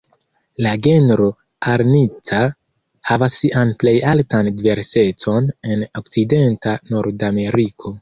La genro "Arnica"havas sian plej altan diversecon en okcidenta Nordameriko.